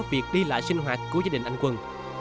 để bỏ việc đi lại sinh hoạt của gia đình anh quân